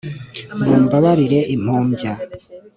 mubambarire impumbya